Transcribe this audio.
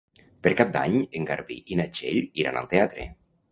Per Cap d'Any en Garbí i na Txell iran al teatre.